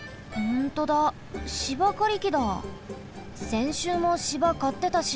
せんしゅうも芝かってたし。